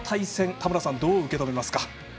田村さん、どう受け止めますか。